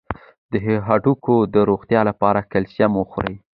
د هډوکو د روغتیا لپاره کلسیم وخورئ